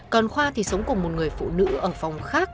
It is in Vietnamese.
còn khoa thì sống cùng một người phụ nữ ở phòng khác